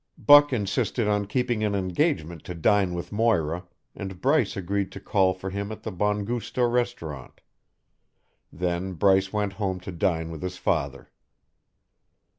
Buck insisted on keeping an engagement to dine with Moira, and Bryce agreed to call for him at the Bon Gusto restaurant. Then Bryce went home to dine with his father.